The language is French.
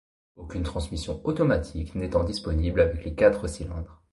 Aucune transmission automatique n'étant disponible avec les quatre cylindres.